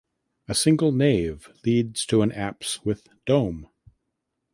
A single nave leads to an apse with dome.